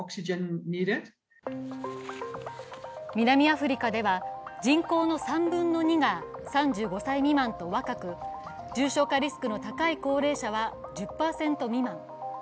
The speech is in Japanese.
南アフリカでは人口の３分の２が３５歳未満と若く重症化リスクの高い高齢者は１０％未満。